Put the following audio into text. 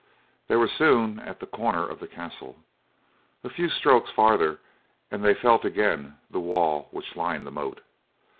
They were soon at the corner of the castle. A few strokes farther and they again felt the wall which lined the moat.